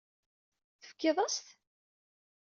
Tefkiḍ-as-t?